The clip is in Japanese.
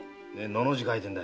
「の」の字書いてんだ。